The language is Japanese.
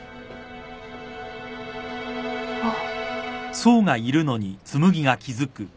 あっ。